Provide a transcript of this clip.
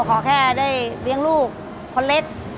ขอแค่ได้เลี้ยงลูกคนเล็ก